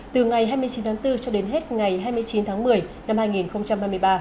từ ngày hai mươi chín tháng bốn cho đến hết ngày hai mươi chín tháng một mươi năm hai nghìn hai mươi ba